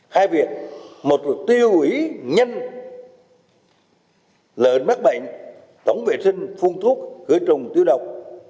hai việc một là tiêu ủy nhanh lợn mắc bệnh tổng vệ sinh phun thuốc khởi trùng tiêu độc